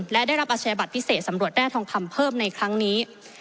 และได้รับอาชญาบัตรพิเศษสำรวจแร่ทองคำเพิ่มในครั้งนี้